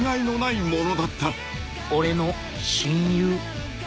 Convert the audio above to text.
俺の親友。